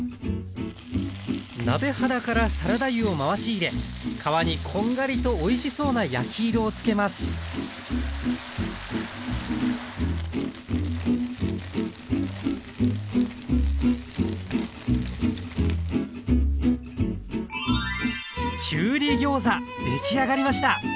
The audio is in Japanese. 鍋肌からサラダ油を回し入れ皮にこんがりとおいしそうな焼き色をつけます出来上がりました。